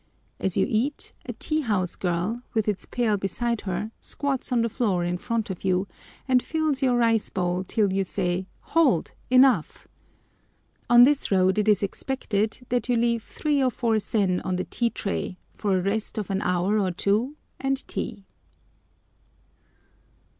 As you eat, a tea house girl, with this pail beside her, squats on the floor in front of you, and fills your rice bowl till you say, "Hold, enough!" On this road it is expected that you leave three or four sen on the tea tray for a rest of an hour or two and tea.